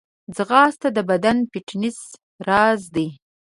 ځغاسته د بدني فټنس راز دی